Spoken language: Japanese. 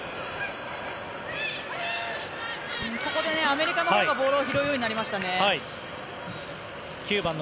ここでアメリカのほうがボールを拾うようになりました。